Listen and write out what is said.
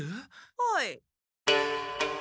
はい。